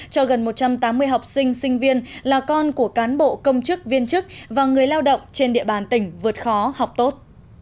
cho gần một trăm tám mươi học sinh sinh viên là con của cán bộ công chức viên chức và người lao động trên địa bàn tỉnh vượt khó học tốt